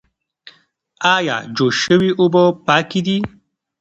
ایا جوش شوې اوبه پاکې دي؟